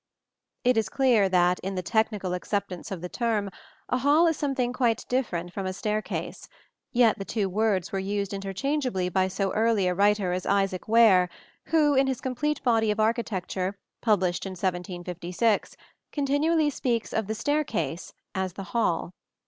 It is clear that, in the technical acceptance of the term, a hall is something quite different from a staircase; yet the two words were used interchangeably by so early a writer as Isaac Ware, who, in his Complete Body of Architecture, published in 1756, continually speaks of the staircase as the hall.